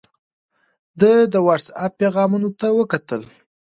ده د وټس اپ پیغامونو ته وکتل.